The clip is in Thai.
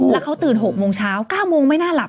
แล้วเขาตื่น๖โมงเช้า๙โมงไม่น่าหลับ